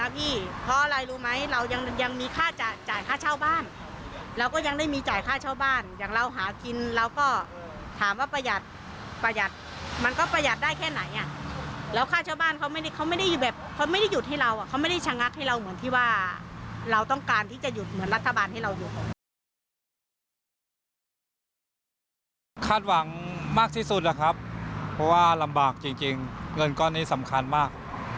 คาดหวังคาดหวังมากที่สุดนะครับเพราะว่าลำบากจริงเงินก้อนนี้สำคัญมาก